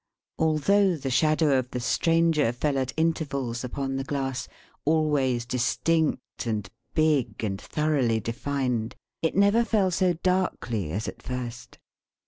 Although the shadow of the Stranger fell at intervals upon the glass always distinct, and big, and thoroughly defined it never fell so darkly as at first.